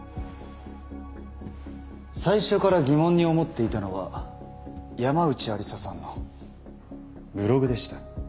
最初から疑問に思っていたのは山内愛理沙さんのブログでした。